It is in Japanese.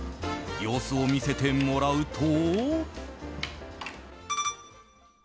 様子を見せてもらうと。